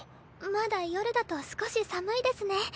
まだ夜だと少し寒いですね。